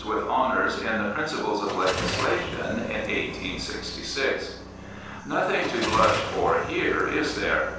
with honours in the Principles of Legislation, in 1866. Nothing to blush for here, is there?